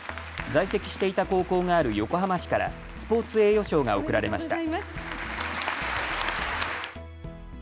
在籍していた高校がある横浜市からスポーツ栄誉賞が贈られました。